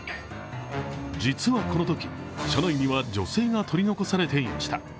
実はこのとき、車内には女性が取り残されていました。